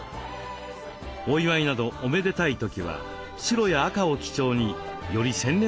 お祝いなどおめでたい時は白や赤を基調により洗練された雰囲気に。